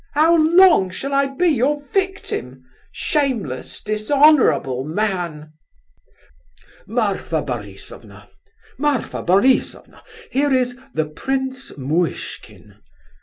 How long shall I be your victim? Shameless, dishonourable man!" "Marfa Borisovna! Marfa Borisovna! Here is... the Prince Muishkin!